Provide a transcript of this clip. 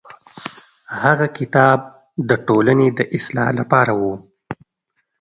هغه کتاب د ټولنې د اصلاح لپاره و.